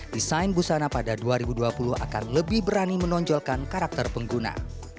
desain busana pada dua ribu dua puluh akan lebih berani menonjolkan karakter pengguna